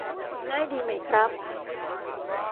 ง่ายดีไหมครับ